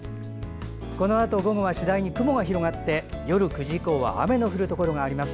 このあと午後は次第に雲が広がって夜９時以降は雨の降るところがあります。